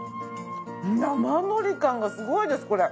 生のり感がすごいですこれ。